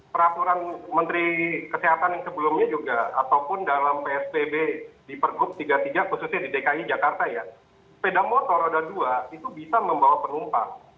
peraturan menteri kesehatan yang sebelumnya juga ataupun dalam psbb di pergub tiga puluh tiga khususnya di dki jakarta ya sepeda motor roda dua itu bisa membawa penumpang